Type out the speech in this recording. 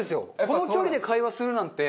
この距離で会話するなんて。